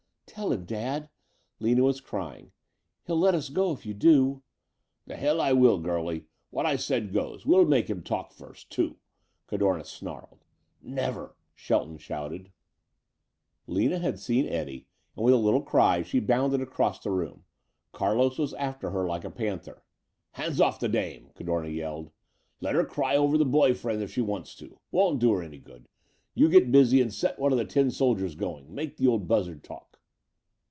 "Tell him, Dad," Lina was crying. "He'll let us go if you do." "The hell I will, girlie. What I said, goes. We'll make him talk first, too," Cadorna snarled. "Never!" Shelton shouted. Lina had seen Eddie and, with a little cry, she bounded across the room. Carlos was after her like a panther. "Hands off that dame!" Cadorna yelled. "Let her cry over the boy friend if she wants to. Won't do her any good. You get busy and set one of the tin soldiers goin'. Make the old buzzard talk."